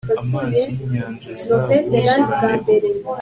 amazi y'inyanja azabuzuraneho